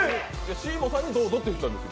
ＳＥＡＭＯさんに「どうぞ」って言ったんです。